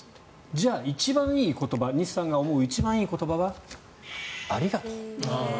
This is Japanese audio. じゃあ、西さんが思う一番いい言葉はありがとう。